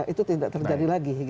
itu tidak terjadi lagi